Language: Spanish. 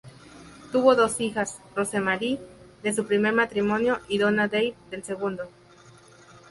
Tuvo dos hijas, Rosemary, de su primer matrimonio y Donna Dale, del segundo.